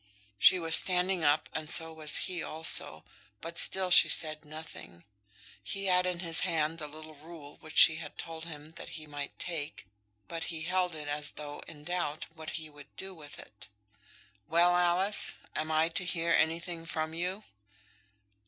She was standing up, and so was he also, but still she said nothing. He had in his hand the little rule which she had told him that he might take, but he held it as though in doubt what he would do with it. "Well, Alice, am I to hear anything from you?"